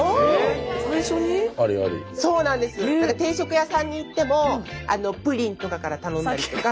定食屋さんに行ってもプリンとかから頼んだりとか。